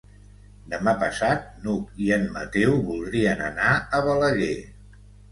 Demà passat n'Hug i en Mateu voldrien anar a Balaguer.